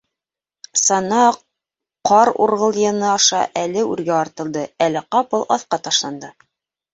Сана ҡар урғылйыны аша әле үргә артылды, әле ҡапыл аҫҡа ташланды.